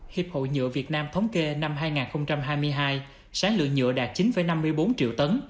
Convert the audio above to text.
hiệp hội nhựa việt nam thống kê năm hai nghìn hai mươi hai sáng lượng nhựa đạt chín năm mươi bốn triệu tấn